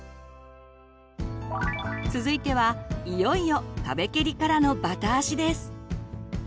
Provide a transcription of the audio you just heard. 続いてはいよいよ壁けりからのバタ足です。